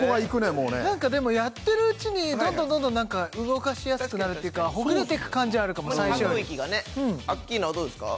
もうねなんかでもやってるうちにどんどんどんどん動かしやすくなるっていうかほぐれてく感じはあるかも最初よりアッキーナはどうですか？